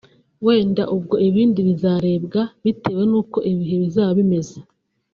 wenda ubwo ibindi bizarebwa bitewe nuko ibihe bizaba bimeze